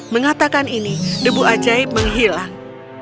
mengatakan ini debu ajaib menghilang